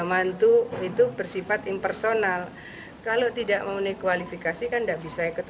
mantu itu bersifat impersonal kalau tidak memenuhi kualifikasi kan tidak bisa ikut